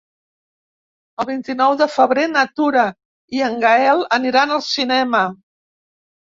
El vint-i-nou de febrer na Tura i en Gaël aniran al cinema.